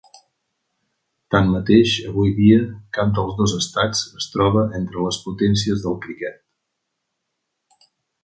Tanmateix, avui dia, cap dels dos estats es troba entre les potències del criquet.